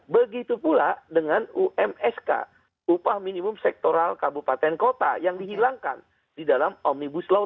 begitu pula dengan umsk upah minimum sektoral kabupaten kota yang dihilangkan di dalam omnibus law